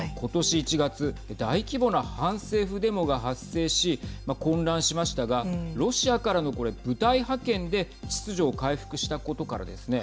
今年１月大規模な反政府デモが発生し混乱しましたがロシアからの部隊派遣で秩序を回復したことからですね